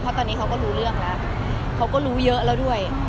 เพราะตอนนี้เขาก็รู้เรื่องแล้วเขาก็รู้เยอะแล้วด้วย